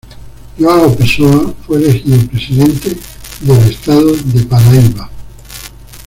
João Pessoa fue elegido presidente del estado de Paraíba.